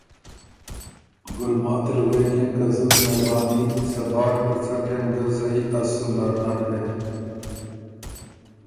ګلماتی غوېکِن که ”زُت مهرباني، صبار که څۀ ټېم ګۀ زئ از سُو نر نر بېم“